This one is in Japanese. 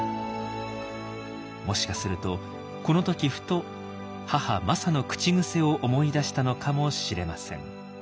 もしかするとこの時ふと母マサの口癖を思い出したのかもしれません。